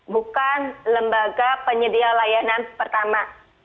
bukan lembaga penyedia layanan pertama